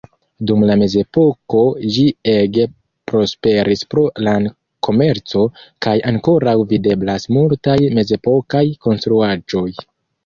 Dum la mezepoko ĝi ege prosperis pro lan-komerco, kaj ankoraŭ videblas multaj mezepokaj konstruaĵoj.